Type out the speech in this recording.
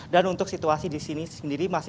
dan untuk situasi di sini sendiri